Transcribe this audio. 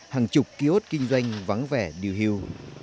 hàng chục kiosk kinh doanh vắng vẻ điều hưu